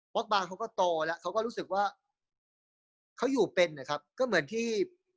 เพราะบางเขาก็โตแล้วเขาก็รู้สึกว่าเขาอยู่เป็นนะครับก็เหมือนที่